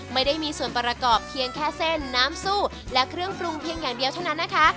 ไม่ได้มีส่วนประกอบเพียงแค่เส้นน้ำซู่และเครื่องปรุงเพียงอย่างเดียวเท่านั้นนะคะ